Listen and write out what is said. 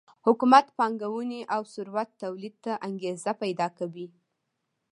حکومت پانګونې او ثروت تولید ته انګېزه پیدا کوي